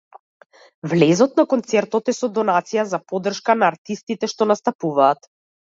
Влезот на концертот е со донација за поддршка на артистите што настапуваат.